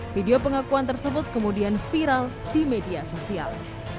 video pengakuan tersebut kemudian viral di media sosial